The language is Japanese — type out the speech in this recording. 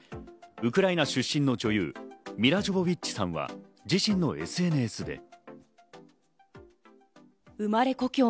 ウクライナ出身の女優、ミラ・ジョヴォヴィッチさんは、自身のＳＮＳで。